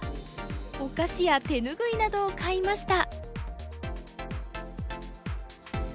お菓子や手ぬぐいなどを買いました。